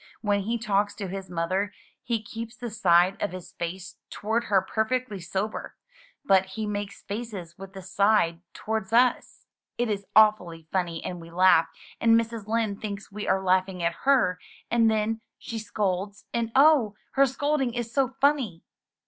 When he talks to his mother, he keeps the side of his face toward 99 MY BOOK HOUSE her perfectly sober; but he makes faces with the side toward us. It is awfully funny and we laugh; and Mrs. Lind thinks we are laughing at her, and then she scolds, and oh! her scolding is so funny!"